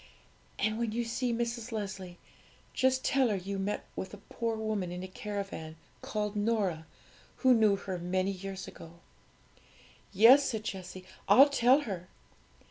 And when you see Mrs. Leslie, just tell her you met with a poor woman in a caravan, called Norah, who knew her many years ago.' 'Yes,' said Jessie; 'I'll tell her.'